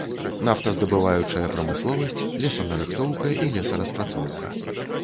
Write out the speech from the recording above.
Нафтаздабываючая прамысловасць, лесанарыхтоўка і лесаперапрацоўка.